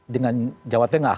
dengan jawa tengah